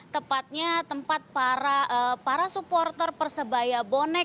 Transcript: tepatnya tempat para supporter persebaya bonek